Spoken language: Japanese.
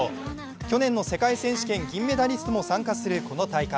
去年の世界選手権銀メダリストも参加するこの大会。